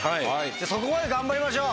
そこまで頑張りましょう。